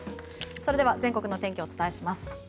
それでは、全国の天気をお伝えします。